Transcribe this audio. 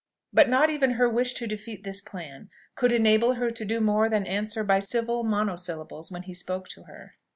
But not even her wish to defeat this plan could enable her to do more than answer by civil monosyllables when he spoke to her.